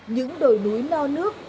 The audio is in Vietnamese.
những đồi núi no nước